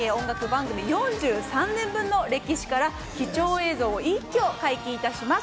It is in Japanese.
番組４３年分の歴史から貴重映像を一挙解禁いたします。